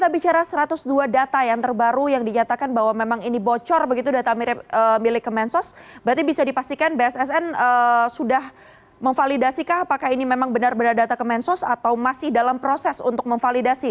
berarti bisa dipastikan bssn sudah memvalidasikah apakah ini memang benar benar data kementerian sosial atau masih dalam proses untuk memvalidasi